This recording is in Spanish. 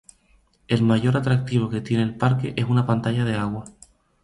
El mayor atractivo que tiene el parque es una pantalla de agua.